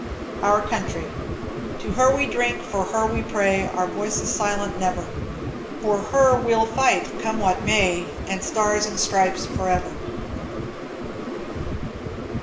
Our Country. To her we drink, for her we pray, Our voices silent never; For her we'll fight, come what may; The Stars and Stripes forever.